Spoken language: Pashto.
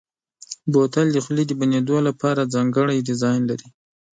بوتل د خولې د بندېدو لپاره ځانګړی ډیزاین لري.